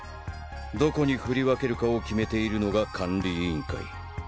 どこに振り分けるかを決めているのが管理委員会。